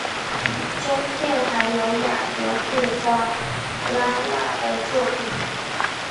中殿还有雅格布瓜拉纳的作品。